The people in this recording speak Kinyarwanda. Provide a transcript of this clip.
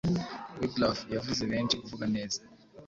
Wiglaf yavuze benshi kuvuga neza